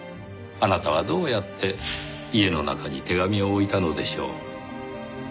あなたはどうやって家の中に手紙を置いたのでしょう？